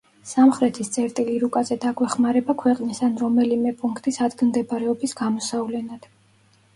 სამხრეთის წერტილი რუკაზე დაგვეხმარება ქვეყნის ან რომელიმე პუნქტის ადგილმდებარეობის გამოსავლენად.